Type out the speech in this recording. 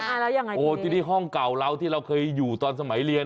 แล้วอย่างไรคือเนี่ยโอ้ที่นี่ห้องเก่าเราที่เราเคยอยู่ตอนสมัยเรียน